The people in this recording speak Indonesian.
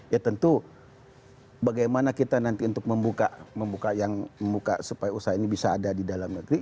ya tentu bagaimana kita nanti untuk membuka yang membuka supaya usaha ini bisa ada di dalam negeri